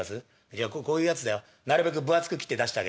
じゃこういうやつだよ。なるべく分厚く切って出してあげな」。